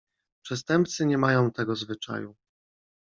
"Przestępcy nie mają tego zwyczaju."